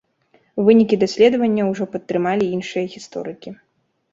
Вынікі даследавання ўжо падтрымалі іншыя гісторыкі.